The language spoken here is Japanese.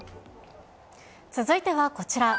続いてはこちら。